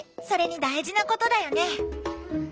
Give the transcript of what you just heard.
それに大事なことだよね。